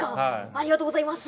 ありがとうございます。